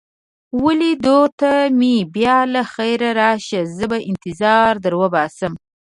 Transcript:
وه لیدو ته مې بیا له خیره راشه، زه به انتظار در وباسم.